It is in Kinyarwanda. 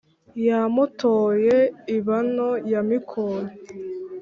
Ya Mpotoye ibano ya Mikore